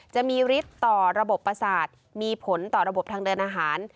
จะมีฤทธิ์ต่อระบบประสาทมีผลต่อระบบทางเดินอาหาร